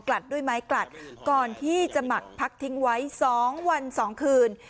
ลัดด้วยไม้กลัดก่อนที่จะหมักพักทิ้งไว้๒วัน๒คืน